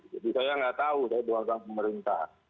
jadi saya nggak tahu dari luar sana pemerintah